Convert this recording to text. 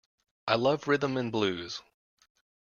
I love rhythm and blues!